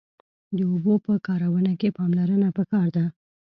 د اوبو په کارونه کښی پاملرنه پکار ده